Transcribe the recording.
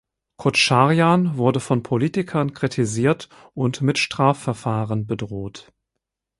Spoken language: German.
Kotscharjan wurde von Politikern kritisiert und mit Strafverfahren bedroht.